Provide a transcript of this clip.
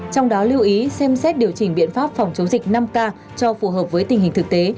trong đó lưu ý xem xét điều chỉnh biện pháp phòng chống dịch năm k cho phù hợp với tình hình thực tế